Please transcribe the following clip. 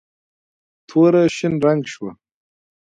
توره شین رنګ شوه.